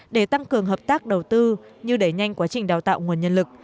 để tăng cường hợp tác đầu tư như đẩy nhanh quá trình đào tạo nguồn nhân lực